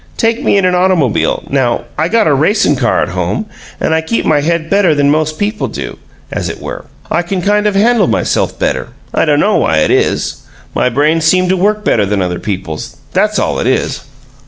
Take me in an automobile, now I got a racin' car at home and I keep my head better than most people do, as it were. I can kind of handle myself better; I dunno why it is. My brains seem to work better than other people's, that's all it is.